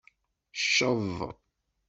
Cceḍ.